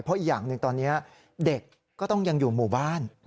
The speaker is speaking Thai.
เพราะอีกอย่างหนึ่งตอนนี้เด็กก็ต้องยังอยู่หมู่บ้าน